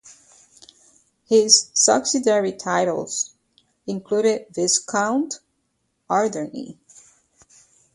His subsidiary titles included Viscount Alderney.